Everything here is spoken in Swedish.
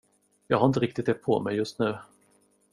Jag har inte riktigt det på mig just nu.